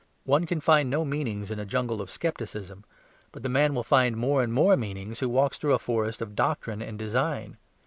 One can find no meanings in a jungle of scepticism; but the man will find more and more meanings who walks through a forest of doctrine and design.